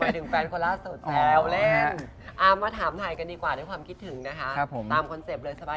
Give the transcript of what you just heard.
แด็คจะบอกว่าเหล็กเด็กหลอกง่าย